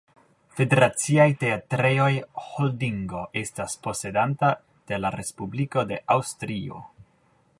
Federaciaj Teatrejoj-Holdingo estas posedanta de la Respubliko de Aŭstrio.